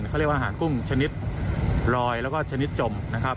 เขาเรียกว่าอาหารกุ้งชนิดลอยแล้วก็ชนิดจมนะครับ